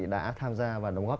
đã tham gia và đồng góp